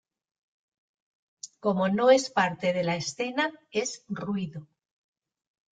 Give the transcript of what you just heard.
Como no es parte de la escena es ruido.